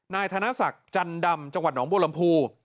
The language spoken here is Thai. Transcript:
นายธนศักดิ์จันดำจังหวัดหนองบัวลำพู